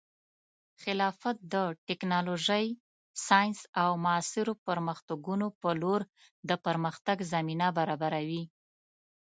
خلافت د ټیکنالوژۍ، ساینس، او معاصرو پرمختګونو په لور د پرمختګ زمینه برابروي.